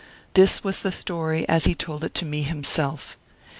This was the story as he told it to me him self.